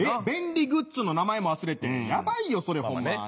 便利グッズの名前も忘れてヤバいよそれホンマ。